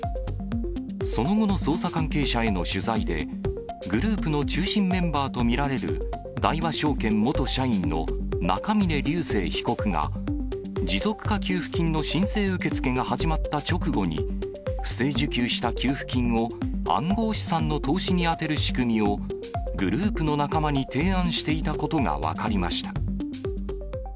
その後の捜査関係者への取材で、グループの中心メンバーと見られる、大和証券元社員の中峯竜晟被告が持続化給付金の申請受け付けが始まった直後に、不正受給した給付金を暗号資産の投資に充てる仕組みを、グループの仲間に提案していたことが分かりました。